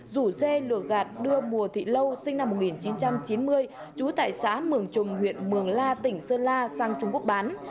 rủ dê lửa gạt đưa mùa thị lâu sinh năm một nghìn chín trăm chín mươi trú tại xã mường trùng huyện mường la tỉnh sơn la sang trung quốc bán